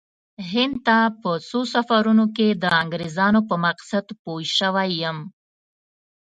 هند ته په څو سفرونو کې د انګریزانو په مقصد پوه شوی یم.